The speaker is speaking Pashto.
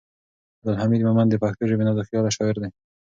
عبدالحمید مومند د پښتو ژبې نازکخیاله شاعر دی.